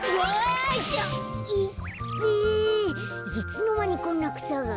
いつのまにこんなくさが？